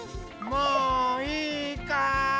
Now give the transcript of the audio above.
もういいかい？